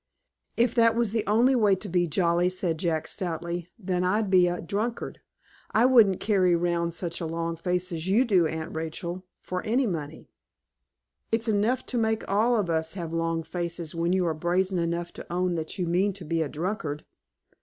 "If that was the only way to be jolly," said Jack, stoutly, "then I'd be a drunkard; I wouldn't carry round such a long face as you do, Aunt Rachel, for any money." "It's enough to make all of us have long faces, when you are brazen enough to own that you mean to be a drunkard."